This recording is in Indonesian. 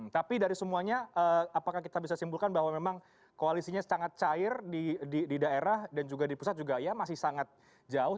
tapi dari semuanya apakah kita bisa simpulkan bahwa memang koalisinya sangat cair di daerah dan juga di pusat juga ya masih sangat jauh